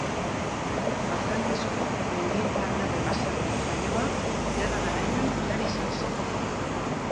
Ajangizko Mendieta-Agerre baserrian jaioa, Gerra garaian gudari izan zen.